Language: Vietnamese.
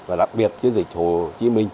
và đặc biệt chiến dịch hồ chí minh